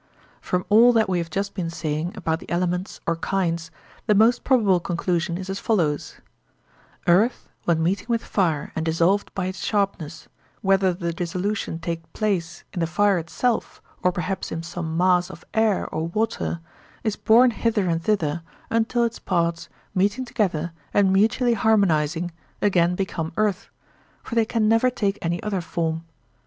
From all that we have just been saying about the elements or kinds, the most probable conclusion is as follows:—earth, when meeting with fire and dissolved by its sharpness, whether the dissolution take place in the fire itself or perhaps in some mass of air or water, is borne hither and thither, until its parts, meeting together and mutually harmonising, again become earth; for they can never take any other form.